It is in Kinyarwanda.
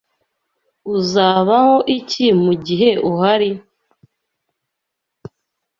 Uzabaho iki mugihe uhari?